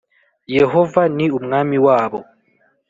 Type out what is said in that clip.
Yehova ni umwami wabo.